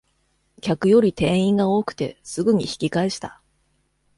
客より店員が多くてすぐに引き返した